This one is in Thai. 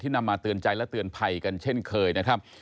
นำมาเตือนใจและเตือนภัยกันเช่นเคยนะครับ